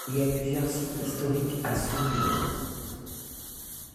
Il y a plusieurs sites historiques à Sunde.